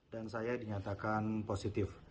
dan saya dinyatakan positif